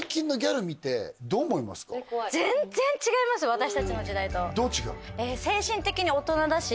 私たちの時代とどう違うの？